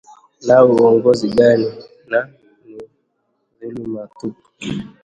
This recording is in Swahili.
Nao uongozi gani na ni dhuluma tupu